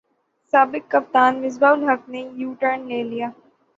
سابق کپتان مصباح الحق نے یوٹرن لے لیا